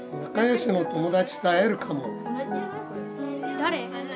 誰？